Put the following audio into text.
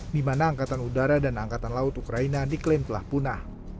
di mana angkatan udara dan angkatan laut ukraina diklaim telah punah